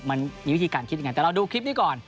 มันมีวิธีการคิดยังไงแต่เราดูคลิปนี้ก่อน